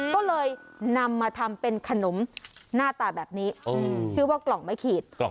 ก็เลยนำมาทำเป็นขนมหน้าตาแบบนี้ชื่อว่ากล่องไม้ขีด